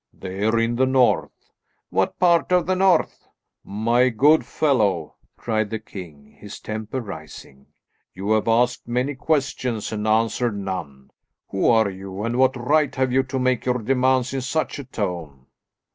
"They're in the north." "What part of the north?" "My good fellow," cried the king, his temper rising, "you have asked many questions and answered none. Who are you, and what right have you to make your demands in such a tone?"